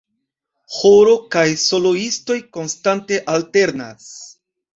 Ĥoro kaj soloistoj konstante alternas.